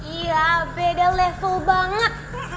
iya beda level banget